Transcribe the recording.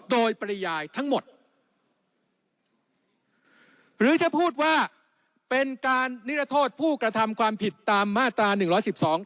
โดยปริยายทั้งหมดหรือถ้าพูดว่าเป็นการนิรโทษผู้กระทำความผิดตามมาตราหนึ่งร้อยสิบสอง